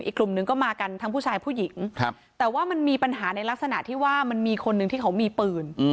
กลุ่มหนึ่งก็มากันทั้งผู้ชายผู้หญิงแต่ว่ามันมีปัญหาในลักษณะที่ว่ามันมีคนหนึ่งที่เขามีปืน